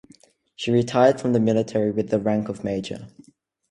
She retired from the military with the rank of major.